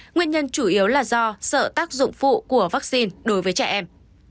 nguyên nhân chủ yếu là do sợ tác dụng phụ của vaccine đối với trẻ em